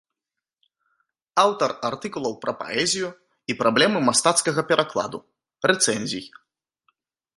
Аўтар артыкулаў пра паэзію і праблемы мастацкага перакладу, рэцэнзій.